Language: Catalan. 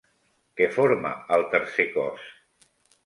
Què forma el tercer cos?